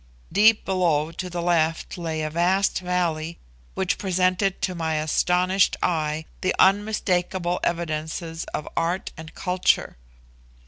Deep below to the left lay a vast valley, which presented to my astonished eye the unmistakeable evidences of art and culture.